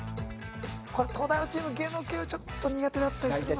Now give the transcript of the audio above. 東大王チーム芸能系はちょっと苦手だったりするのかな？